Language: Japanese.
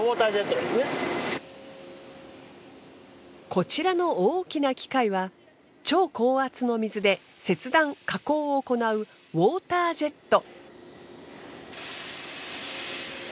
こちらの大きな機械は超高圧の水で切断・加工を行うウォータージェット。